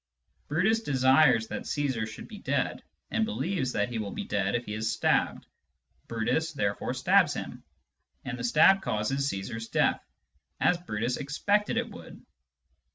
Brutus desires that Caesar should be dead, and believes that he will be dead if he is stabbed ; Brutus therefore stabs him, and the stab causes Caesar's death, as Brutus expected it would.